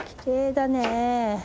きれいだね。